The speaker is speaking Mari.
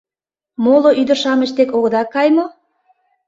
Моло ӱдыр-шамыч дек огыда кай мо?